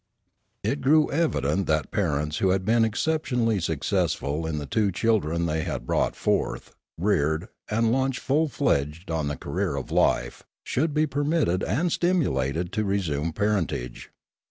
It grew evident that parents who had been excep tionally successful in the two children they had brought forth, reared, and launched full fledged on the career of life should be permitted and stimulated to resume parentage.